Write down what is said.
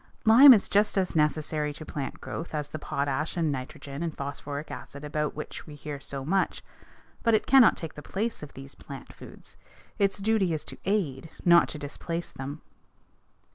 Lime is just as necessary to plant growth as the potash and nitrogen and phosphoric acid about which we hear so much, but it cannot take the place of these plant foods. Its duty is to aid, not to displace them.